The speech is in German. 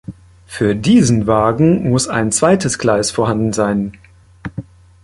Für diesen Wagen muss ein zweites Gleis vorhanden sein.